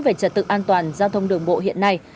về trật tự an toàn giao thông đường bộ hiện nay